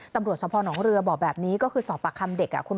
ตำรวจสภหนองเรือบอกแบบนี้ก็คือสอบปากคำเด็ก